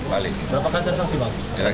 berapa kali tersangsi bang